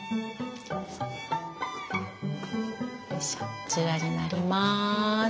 こちらになります。